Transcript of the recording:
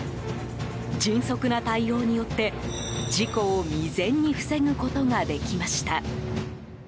迅速な対応によって、事故を未然に防ぐことができました。